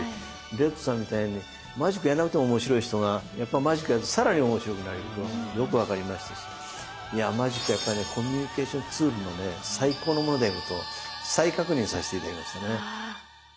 レッドさんみたいにマジックやらなくても面白い人がやっぱマジックやると更に面白くなれるのがよく分かりましたしマジックはコミュニケーションツールのね最高のものであると再確認させて頂きましたね。